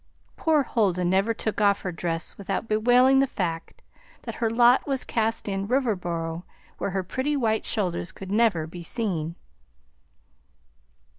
(Poor Huldah never took off her dress without bewailing the fact that her lot was cast in Riverboro, where her pretty white shoulders could never be seen.)